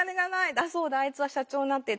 あそうだあいつは社長になっていた。